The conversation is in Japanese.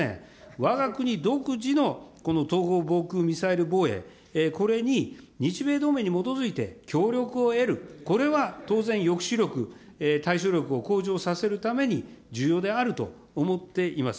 わが国独自のこの統合防空ミサイル防衛、これに日米同盟に基づいて協力を得る、これは当然、抑止力、対処力を向上させるために、重要であると思っています。